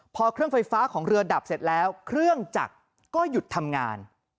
พอเครื่องไฟฟ้าของเรือดับเสร็จแล้วเครื่องจักรก็หยุดทำงาน